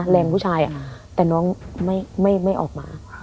แรงผู้ชายแต่น้องไม่ออกมา